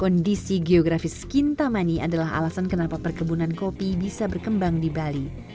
kondisi geografis kintamani adalah alasan kenapa perkebunan kopi bisa berkembang di bali